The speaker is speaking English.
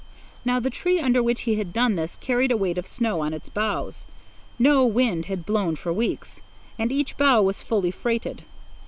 Now the tree under which he had done this carried a weight of snow on its boughs. No wind had blown for weeks, and each bough was fully freighted.